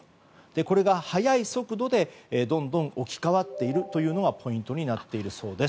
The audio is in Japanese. これが早い速度でどんどん置き換わっているのがポイントになっているそうです。